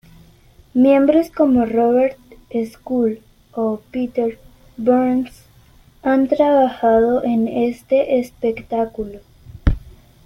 Miembros como Robert Scull o Peter Burns, han trabajado en este espectáculo.